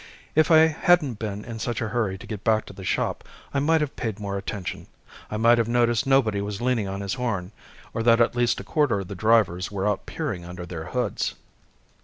If I hadn't been in such a hurry to get back to the shop, I might have paid more attention. I might have noticed nobody was leaning on his horn. Or that at least a quarter of the drivers were out peering under their hoods.